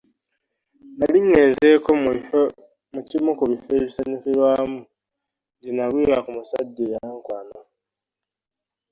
Nali ngenzeeko mu kimu ku bifo ebisanyukirwamu gye nagwira ku musajja eyankwana.